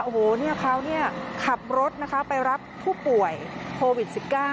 โอ้โหเขาขับรถนะคะไปรับผู้ป่วยโควิด๑๙